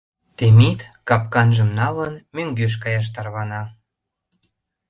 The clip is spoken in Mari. Темит, капканжым налын, мӧҥгеш каяш тарвана.